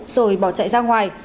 rồi bỏ chạy ra ngoài